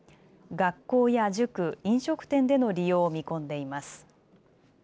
学校や塾、飲食店での利用を見込んでいます。